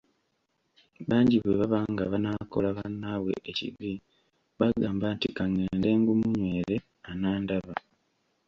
Bangi bwebaba nga banaakola bannaabwe ekibi bagamba nti, “Ka ngende ngumunywere, anandaba".